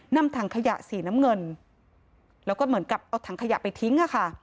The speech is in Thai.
นำถังขยะสีน้ำเงินแล้วก็เหมือนกับเอาถังขยะไปทิ้งอะค่ะ